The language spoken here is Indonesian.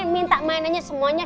minta mainannya semuanya